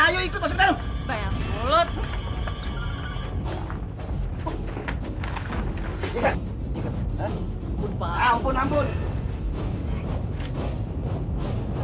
dengan mengatakan telinga majikan saya seperti teriakadai